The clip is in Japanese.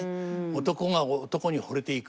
男が男に惚れていく。